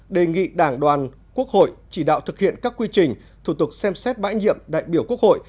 đề nghị đảng đoàn quốc hội chỉ đạo thực hiện các quy trình thủ tục xem xét bãi nhiệm đại biểu quốc hội